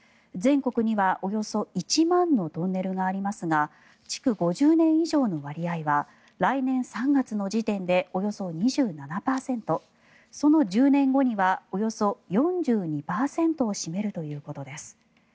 全国にはおよそ１万のトンネルがありますが築５０年以上の割合は来年３月の時点でおよそ２７％その１０年後にはおよそ４２％を占めるということです。